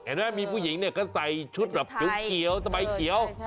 เห็นไหมมีผู้หญิงเนี่ยก็ใส่ชุดแบบเขียวสบายเขียว